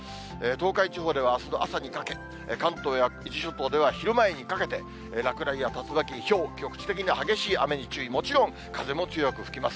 東海地方ではあすの朝にかけ、関東や伊豆諸島では昼前にかけて、落雷や竜巻、ひょう、局地的な激しい雨に注意、もちろん風も強く吹きます。